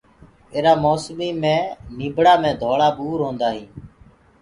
اِيرآ موسميٚ مي نيٚڀڙآ مي ڌوݪآ ٻور هونٚدآ هينٚ